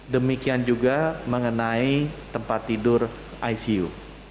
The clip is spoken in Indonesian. demikian juga mengenai tempat tidur icu